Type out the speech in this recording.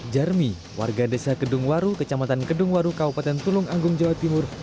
jarmi warga desa kedungwaru kecamatan kedungwaru kabupaten tulung agung jawa timur